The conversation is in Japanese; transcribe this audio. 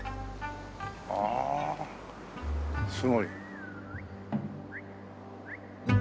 ああすごい。